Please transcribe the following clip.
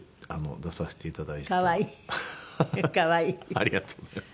ありがとうございます。